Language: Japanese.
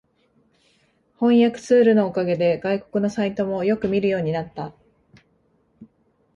翻訳ツールのおかげで外国のサイトもよく見るようになった